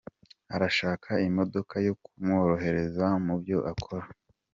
Arashaka imodoka yo kumworohereza mu byo akora.